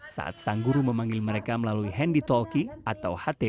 saat sang guru memanggil mereka melalui handi talkie atau hati